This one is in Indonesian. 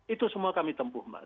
itu semua kami tempuh mbak